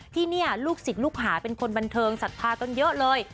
ที่นี่ลูกศิษย์ลูกหาเป็นคนบันเทิงศรัทธากันเยอะเลย